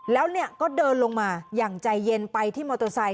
แล้วก็เดินลงมาอย่างใจเย็นไปที่มอเตอร์ไซค